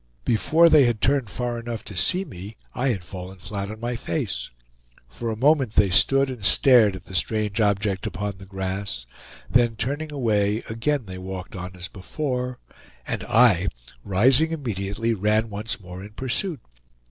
Before they had turned far enough to see me I had fallen flat on my face. For a moment they stood and stared at the strange object upon the grass; then turning away, again they walked on as before; and I, rising immediately, ran once more in pursuit.